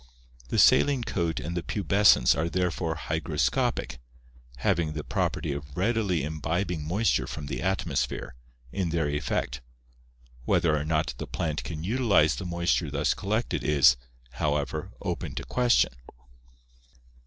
The saline coat and the pubescence are therefore hygroscopic (having the property of readily imbibing moisture from the atmosphere) in their effect. Whether or not the plant can utilize the moisture thus collected is, however, open to question.